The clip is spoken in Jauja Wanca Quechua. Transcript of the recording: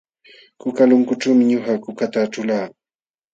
Kukalunkućhuumi ñuqa kukata ćhulaa.